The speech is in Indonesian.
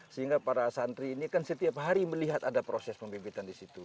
sehingga para santri ini kan setiap hari melihat ada proses pembibitan di situ